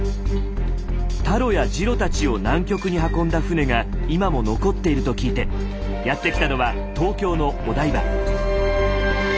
タロやジロたちを南極に運んだ船が今も残っていると聞いてやって来たのは東京のお台場。